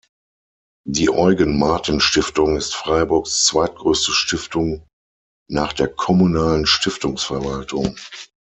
Die Eugen-Martin-Stiftung ist Freiburgs zweitgrößte Stiftung nach der kommunalen Stiftungsverwaltung.